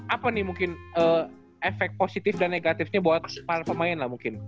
apa nih mungkin efek positif dan negatifnya buat para pemain lah mungkin